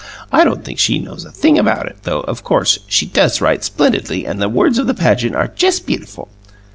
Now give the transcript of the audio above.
I don't think she knows a thing about it, though, of course, she does write splendidly and the words of the pageant are just beautiful.